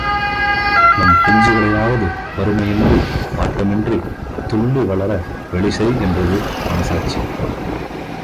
நம் பிஞ்சுகளையாவது வறுமையின்றி, வாட்டமின்றி துள்ளி வளர வழிசெய் என்றது மனசாட்சி.